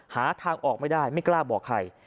หาทางออกไม่ได้ไม่กล้าบอกใคร